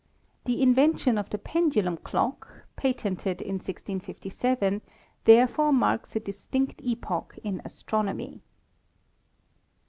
The invention of the pendulum clock, patented in 1657, therefore marks a distinct epoch in astronomy.